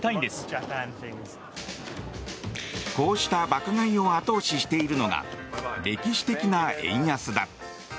こうした爆買いを後押ししているのが歴史的な円安だ。